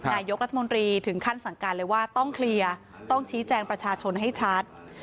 นายกรัฐมนตรีถึงขั้นสั่งการเลยว่าต้องเคลียร์ต้องชี้แจงประชาชนให้ชัด